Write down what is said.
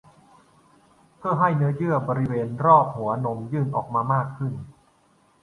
เพื่อให้เนื้อเยื่อบริเวณรอบหัวนมยื่นออกมามากขึ้น